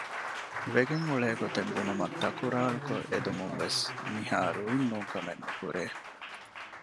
ވެގެން އުޅޭ ގޮތެއް ބުނުމަށް ތަކުރާރުކޮށް އެދުމުންވެސް ނިހާ ރުއިން ނޫންކަމެއް ނުކުރޭ